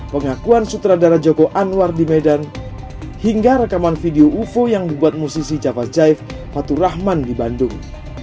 pengakuan sutradara joko anwar di medan hingga rekaman video ufo yang dibuat musisi javasjaif fathurrahman di bandung